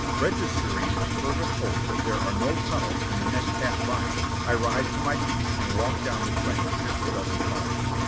Registering a fervent hope that there are no tunnels in the next half mile, I rise to my feet and walk down the train half a dozen cars.